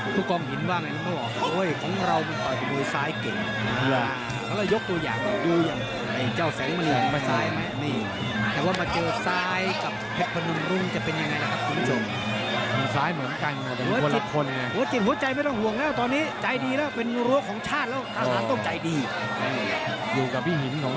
ผู้กล้องหินว่าไงแล้วเขาบอกว่าโอ้ยของเรามันต่อไปด้วยซ้ายเก่ง